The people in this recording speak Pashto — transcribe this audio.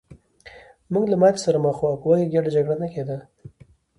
موږ له ماتې سره مخ وو او په وږې ګېډه جګړه نه کېده